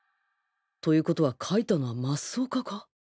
ということは書いたのは増岡か？